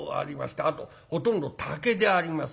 あとほとんど竹であります。